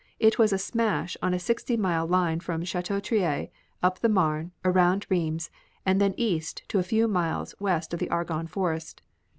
It was a smash on a sixty mile line from Chateau Thierry up the Marne, around Rheims, and then east to a few miles west of the Argonne forest.